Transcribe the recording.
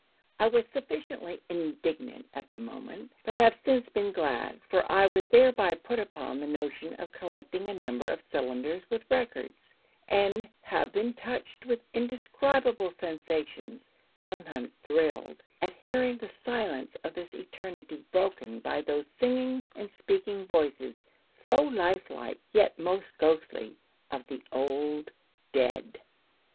I was sufficiently indignant at the moment, but have since been glad, for I was thereby put upon the notion of collecting a number of cylinders with records, and have been touched with indescribable sensations, sometimes thrilled, at hearing the silence of this Eternity broken by those singing and speaking voices, so life like, yet most ghostly, of the old dead.